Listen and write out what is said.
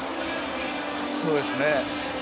そうですね。